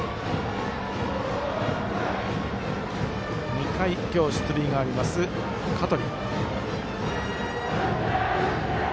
２回、今日出塁があります、香取。